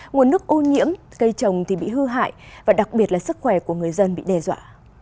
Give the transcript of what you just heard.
nguồn nước ô nhiễm cây trồng bị hư hại và đặc biệt là sức khỏe của người dân bị đe dọa